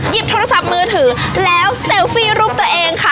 โทรศัพท์มือถือแล้วเซลฟี่รูปตัวเองค่ะ